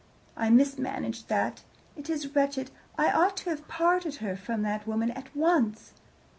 I mismanaged that. It is wretched. I ought to have parted her from that woman at once.